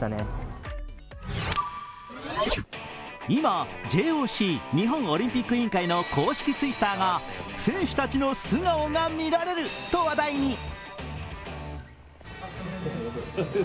今ＪＯＣ＝日本オリンピック委員会の公式Ｔｗｉｔｔｅｒが選手たちの素顔が見られると話題に。